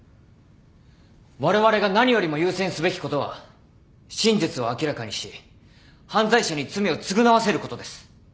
われわれが何よりも優先すべきことは真実を明らかにし犯罪者に罪を償わせることです。